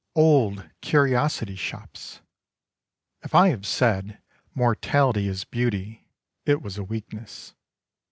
Old Curiosity Shops! If I have said 'Mortality is beauty,' it was a weakness.